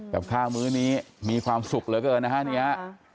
กับข้าวมื้อนี้มีความสุขเหลือเกินนะฮะนี่ฮะ